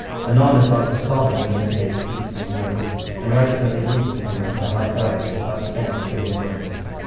Anon as Arthur saw him there was made peace and room, and right so they yede with him unto the high dais, without saying of any words.